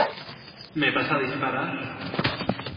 ¿ me vas a disparar?